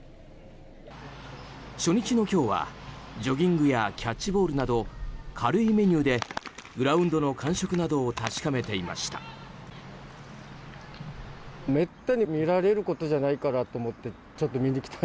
初日の今日はジョギングやキャッチボールなど軽いメニューでグラウンドの感触などを確かめていました。